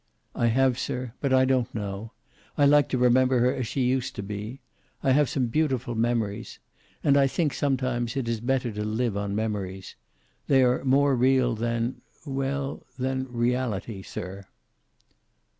"I have, sir. But I don't know. I like to remember her as she used to be. I have some beautiful memories. And I think sometimes it is better to live on memories. They are more real than well, than reality, sir."